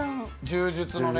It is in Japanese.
柔術のね